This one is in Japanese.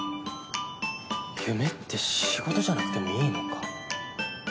夢って仕事じゃなくてもいいのか。